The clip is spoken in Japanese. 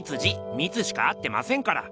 「ミツ」しか合ってませんから。